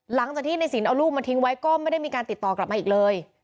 หลังจากที่ในสินเอาลูกมาทิ้งไว้ก็ไม่ได้มีการติดต่อกลับมาอีกเลย